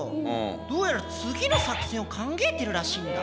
どうやら次の作戦を考えてるらしいんだ。